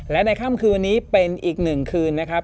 และในค่ำคืนวันนี้เป็นอีกหนึ่งคืนนะครับ